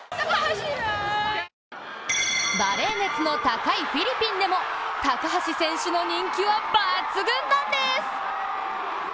バレー熱の高いフィリピンでも高橋選手の人気は抜群なんです。